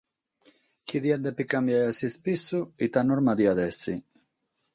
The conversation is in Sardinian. Si diat dèvere cambiare a s’ispissu, ite norma diat èssere?